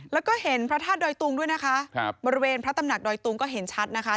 แล้วก็เห็นพระธาตุดอยตุงด้วยนะคะครับบริเวณพระตำหนักดอยตุงก็เห็นชัดนะคะ